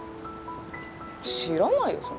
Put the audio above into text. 知らないよ